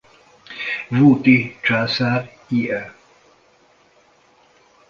Vu Ti császár i.e.